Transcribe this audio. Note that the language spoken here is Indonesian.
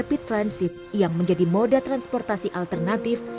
rapid transit yang menjadi moda transportasi alternatif